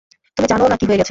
তুমি জানোও না কী হয়ে গেছে।